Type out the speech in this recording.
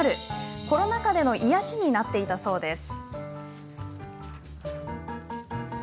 コロナ禍での癒やしになっていたそうです。